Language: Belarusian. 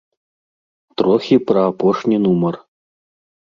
Трохі пра апошні нумар.